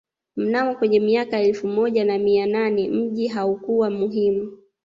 Mnamo kwenye mika ya elfu moja na mia nane mji haukuwa muhimu